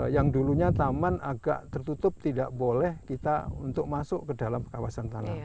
yang dulunya taman agak tertutup tidak boleh kita untuk masuk ke dalam kawasan tanah